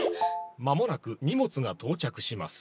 間もなく荷物が到着します。